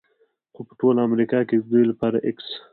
خو په ټول امریکا کې د دوی لپاره x